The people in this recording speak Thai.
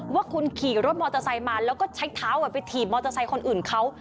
ว่าคุณขี่รถมอเตอร์ไซค์มาแล้วก็ใช้เท้าไปถีบมอเตอร์ไซค์คนอื่นเขา